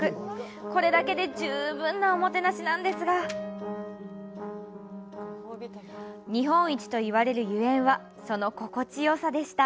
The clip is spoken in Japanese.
これだけで十分なおもてなしなんですが日本一と言われるゆえんはその心地よさでした。